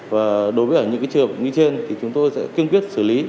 và đối với những trường hợp như trên thì chúng tôi sẽ kiên quyết xử lý